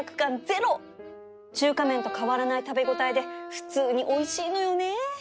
中華麺と変わらない食べ応えで普通においしいのよねえ！